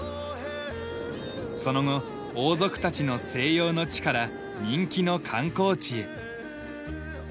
その後王族たちの静養の地から人気の観光地へ。